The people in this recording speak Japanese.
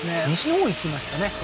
西日本いきましたね